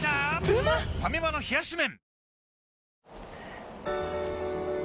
ファミマの冷し麺